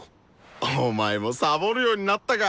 お前もサボるようになったか！